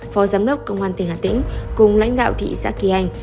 phó giám đốc công an tỉnh hà tĩnh cùng lãnh đạo thị xã kỳ anh